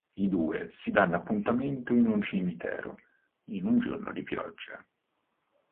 I due si danno appuntamento in un cimitero, in un giorno di pioggia.